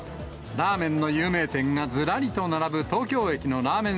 ラーメンの有名店がずらりと並ぶ東京駅のラーメン